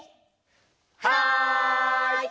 はい！